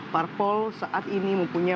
parpol saat ini mempunyai